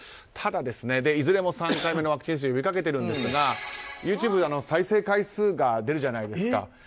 ただ、いずれも３回目のワクチン接種を呼びかけているんですがＹｏｕＴｕｂｅで再生回数が出るじゃないですか。